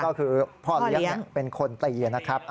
ก็คือพ่อเลี้ยงเป็นคนตีนะครับ